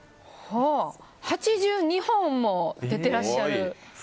８２本も出てらっしゃる。